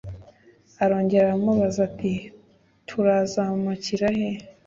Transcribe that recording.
arongera aramubaza ati turazamukira he